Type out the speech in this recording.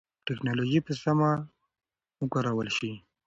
ټکنالوژي به سمه وکارول شي.